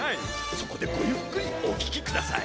そこでごゆっくりお聞きください。